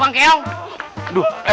kau terin wentuk